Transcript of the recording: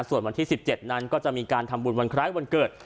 ส่วนวันที่๑๗นั้นก็จะมีการทำบุญวันคล้ายวันเกิด